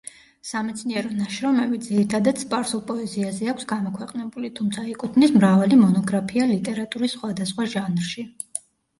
სამეცნიერო ნაშრომები ძირითადად სპარსულ პოეზიაზე აქვს გამოქვეყნებული, თუმცა ეკუთვნის მრავალი მონოგრაფია ლიტერატურის სხვადასხვა ჟანრში.